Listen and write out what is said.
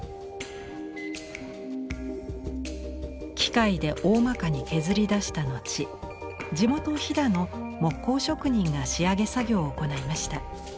機械でおおまかに削りだした後地元飛騨の木工職人が仕上げ作業を行いました。